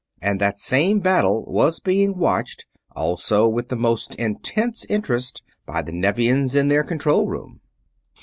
And that same battle was being watched, also with the most intense interest, by the Nevians in their control room.